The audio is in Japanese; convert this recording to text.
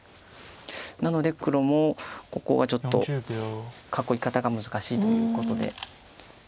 なので黒もここがちょっと囲い方が難しいということで。